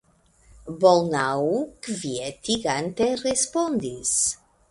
Bolnau kvietigante respondis.